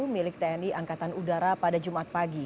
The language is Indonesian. milik tni angkatan udara pada jumat pagi